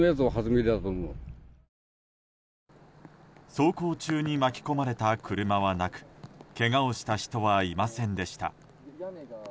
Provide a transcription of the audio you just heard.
走行中に巻き込まれた車はなくけがをした人はいませんでした。